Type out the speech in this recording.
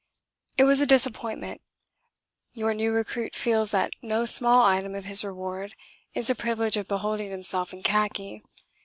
It was a disappointment. Your new recruit feels that no small item of his reward is the privilege of beholding himself in khaki.